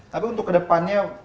tapi untuk ke depannya